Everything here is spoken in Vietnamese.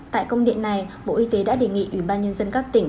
tại công điện này bộ y tế đã đề nghị ủy ban nhân dân các tỉnh